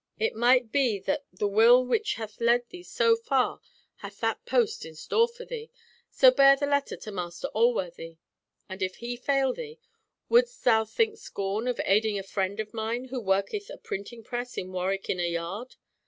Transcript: "It might be that the will which hath led thee so far hath that post in store for thee, so bear the letter to Master Alworthy. And if he fail thee, wouldst thou think scorn of aiding a friend of mine who worketh a printing press in Warwick Inner Yard?